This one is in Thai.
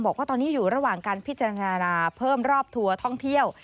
บอกว่าตอนนี้อยู่ระหว่างการพิจารณาเพิ่มรอบทัวร์ท่องเที่ยว